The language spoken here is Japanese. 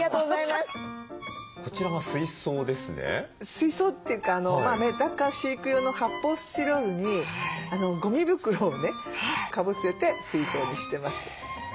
水槽というかメダカ飼育用の発泡スチロールにゴミ袋をねかぶせて水槽にしてます。